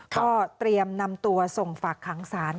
ก็เตรียมนำตัวส่งฝากขังศาล